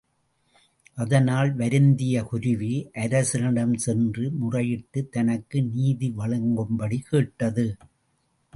அதனால் வருந்திய குருவி, அரசனிடம் சென்று முறையிட்டு, தனக்கு நீதி வழங்கும்படி கேட்டது.